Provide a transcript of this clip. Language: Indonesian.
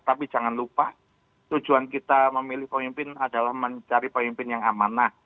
tapi jangan lupa tujuan kita memilih pemimpin adalah mencari pemimpin yang amanah